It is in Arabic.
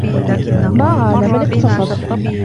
مَا عَالَ مَنْ اقْتَصَدَ